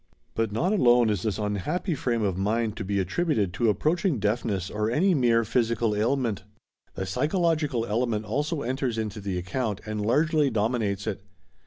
But not alone is this unhappy frame of mind to be attributed to approaching deafness or any mere physical ailment. The psychological element also enters into the account and largely dominates it.